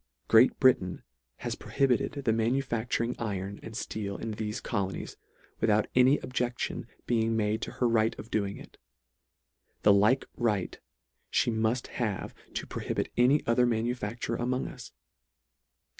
Great Britain has prohibited the manu facturing iron and fteel in thefe colonies, without any objection being made to her right of doing it. The like right fhe murt have to prohibit any other manufacture a mong us.